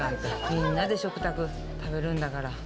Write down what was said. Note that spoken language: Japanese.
みんなで食卓、食べるんだから。